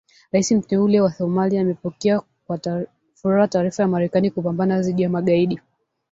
Rais Mteule wa Somalia amepokea kwa furaha taarifa ya Marekani kupambana dhidi ya magaidi